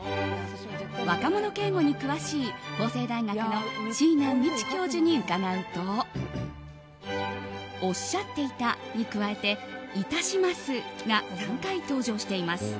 若者敬語に詳しい法政大学の椎名美智教授に伺うと「おっしゃっていた」に加えて「致します」が３回登場しています。